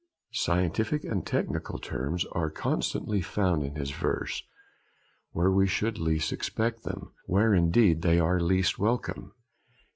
Scientific and technical terms are constantly found in his verse, where we should least expect them, where indeed they are least welcome.